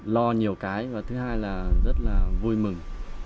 lo nhiều cái và thứ hai là rất là vui mừng